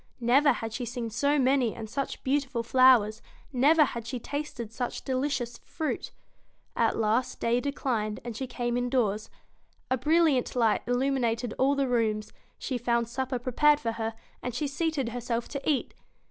Never had she seen so many and such beautiful flowers ; never had she tasted such delicious fruit At last day declined, and she came indoors. A bril liant light illumined all the rooms; she found supper prepared for her, and she seated herself to eat.